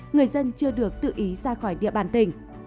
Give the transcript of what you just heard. người dân chưa được tự ý ra khỏi địa bàn tỉnh